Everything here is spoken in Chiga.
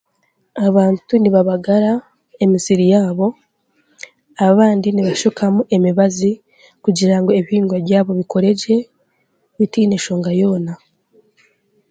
Abantu nibabagara emisiri yaabo, abandi nibashukamu emibazi, kugira ngu ebihingwa byabo bikuregye bitiine nshonga yoona.